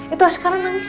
itu sekarang nangis